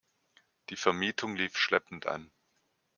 Die Vermietung lief schleppend an.